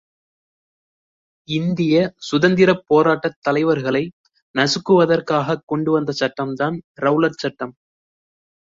இந்திய சுதந்திரப் போராட்டத் தலைவர்களை நசுக்குவதற்காகக் கொண்டு வந்த சட்டம்தான் ரெளலட் சட்டம்.